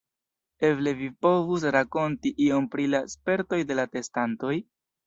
Eble vi povus rakonti iom pri la spertoj de la testantoj?